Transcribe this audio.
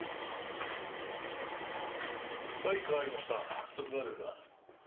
はい代わりました十津川ですが。